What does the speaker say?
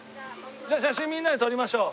じゃあ写真みんなで撮りましょう。